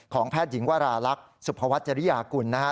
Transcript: ของแพทย์หญิงวาราลักษณ์สุภวัติริยากุลนะครับ